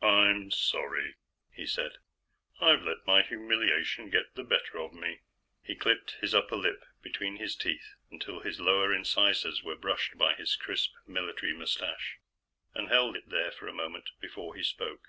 "I'm sorry," he said. "I've let my humiliation get the better of me." He clipped his upper lip between his teeth until his lower incisors were brushed by his crisp, military mustache, and held it there for a moment before he spoke.